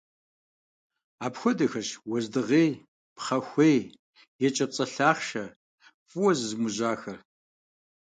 Апхуэдэхэщ уэздыгъей, пхъэхуей, екӀэпцӀэ лъахъшэ, фӀыуэ зызымыужьахэр.